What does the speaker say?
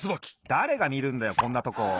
だれがみるんだよこんなとこ。